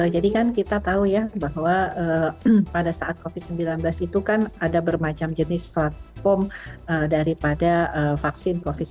jadi kan kita tahu ya bahwa pada saat covid sembilan belas itu kan ada bermacam jenis platform daripada vaksin covid sembilan belas